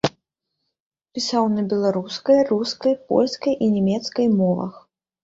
Пісаў на беларускай, рускай, польскай і нямецкай мовах.